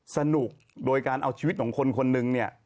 สนุกโดยการเอาชีวิตของคนคนหนึ่งเนี่ย